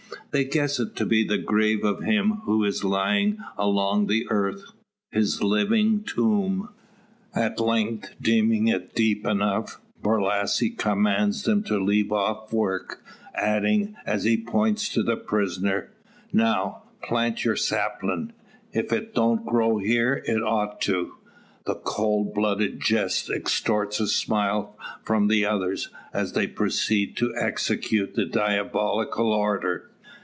They guess it to be the grave of him who is lying along the earth his living tomb! At length, deeming it deep enough, Borlasse commands them to leave off work, adding, as he points to the prisoner: "Now, plant your saplin'! If it don't grow there it ought to." The cold blooded jest extorts a smile from the others, as they proceed to execute the diabolical order.